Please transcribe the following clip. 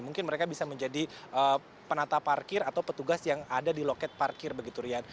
mungkin mereka bisa menjadi penata parkir atau petugas yang ada di loket parkir begitu rian